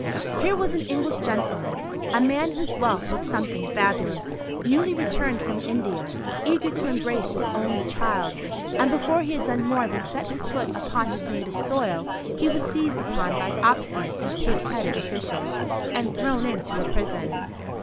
Here was an English gentleman, a man whose wealth was something fabulous, newly returned from India, eager to embrace his only child; and before he had done more than set his foot upon his native soil, he was seized upon by obstinate and pig headed officials, and thrown into a prison.